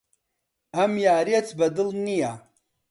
ئەم یارییەت بەدڵ نییە.